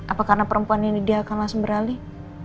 apa karena perempuan ini dia akan langsung beralih